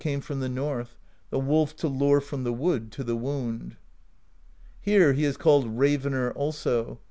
THE POESY OF SKALDS 209 Came from the North, the Wolf To lure from the wood to the wound. Here he is called Ravener also.